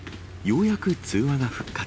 ようやく通話が復活。